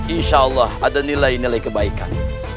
insya allah ada nilai nilai kebaikan